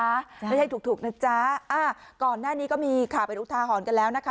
ไม่ใช่ถูกนะจ๊ะอ้าก่อนหน้านี้ก็มีข่าวไปลุกทาหอนกันแล้วนะคะ